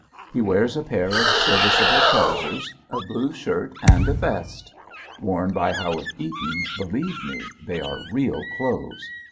He wears a pair of serviceable trousers, a blue shirt, and a vest! Worn by Howard Eaton, believe me, they are real clothes.